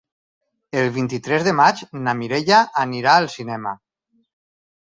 El vint-i-tres de maig na Mireia anirà al cinema.